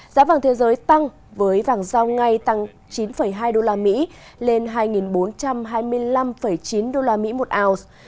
giá vàng thế giới tăng với vàng giao ngay tăng chín hai usd lên hai bốn trăm hai mươi năm chín usd một ounce